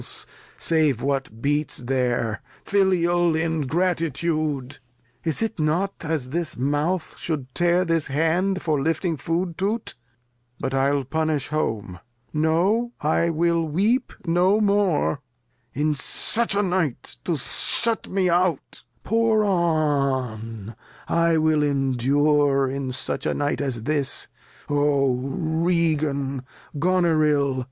212 The History of [Act in Save what beats there. Filial Ingratitude ! Is it not as this Mouth should tear this Hand For lifting Food to't ? But I'll punish home. No, I will no more ; in such a Night To shut me out Pour on, I wiU endure In such a Night as this : O Regan, Goneril